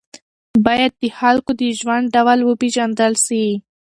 باید د خلکو د ژوند ډول وپېژندل سي.